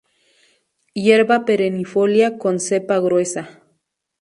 Hierba perennifolia con cepa gruesa.